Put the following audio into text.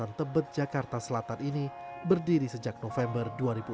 kawasan tebet jakarta selatan ini berdiri sejak november dua ribu enam belas